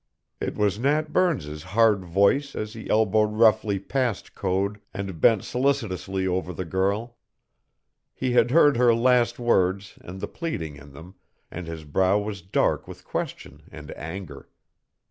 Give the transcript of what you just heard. It was Nat Burns's hard voice as he elbowed roughly past Code and bent solicitously over the girl. He had heard her last words and the pleading in them, and his brow was dark with question and anger.